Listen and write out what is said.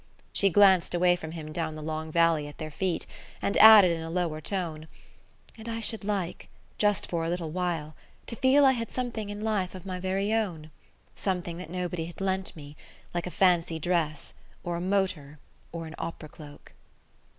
She glanced away from him down the long valley at their feet, and added in a lower tone: "And I should like, just for a little while, to feel I had something in life of my very own something that nobody had lent me, like a fancy dress or a motor or an opera cloak."